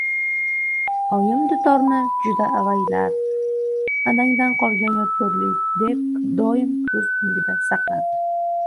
Oyim dutorni juda avaylar, «adangdan qolgan yodgorlik», deb doim ko‘z o‘ngida saqlardi.